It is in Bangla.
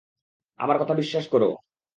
আমার কথা বিশ্বাস করো!